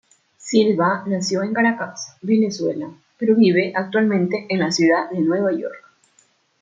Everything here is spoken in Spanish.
Silva nació en Caracas, Venezuela, pero vive actualmente en la ciudad de Nueva York.